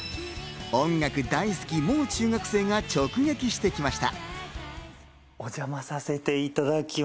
音楽大好きもう中学生が直撃してきました。